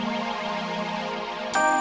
indi pasti ada disana